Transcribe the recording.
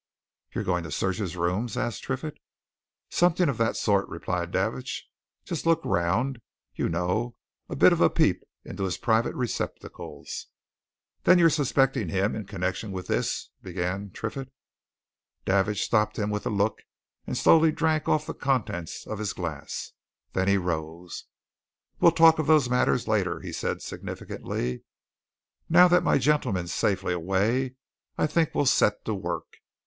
"You're going to search his rooms?" asked Triffitt. "Something of that sort," replied Davidge. "Just a look round, you know, and a bit of a peep into his private receptacles." "Then you're suspecting him in connection with this " began Triffitt. Davidge stopped him with a look, and slowly drank off the contents of his glass. Then he rose. "We'll talk of those matters later," he said significantly. "Now that my gentleman's safely away I think we'll set to work.